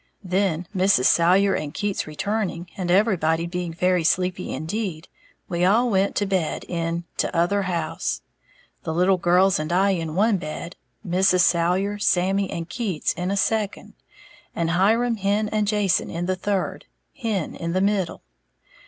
Then, Mrs. Salyer and Keats returning, and everybody being very sleepy indeed, we all went to bed in "t'other house," the little girls and I in one bed, Mrs. Salyer, Sammy and Keats in a second, and Hiram, Hen and Jason in the third (Hen in the middle).